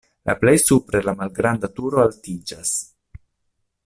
La plej supre la malgranda turo altiĝas.